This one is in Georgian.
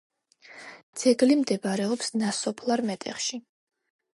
ძეგლი მდებარეობს ნასოფლარ მეტეხში.